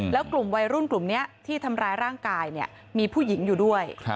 แล้วกลุ่มวัยรุ่นกลุ่มนี้ที่ทำร้ายร่างกายมีผู้หญิงอยู่ด้วย